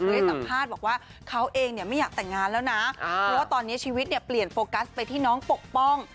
ให้สัมภาษณ์บอกว่าเขาเองเนี่ยไม่อยากแต่งงานแล้วนะเพราะว่าตอนนี้ชีวิตเนี่ยเปลี่ยนโฟกัสไปที่น้องปกป้อง